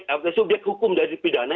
atau subjek hukum dari pidana